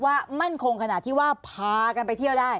มั่นคงขนาดที่ว่าพากันไปเที่ยวได้